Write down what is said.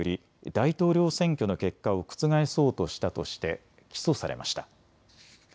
大統領選挙の結果を覆そうとしたとして起訴されました。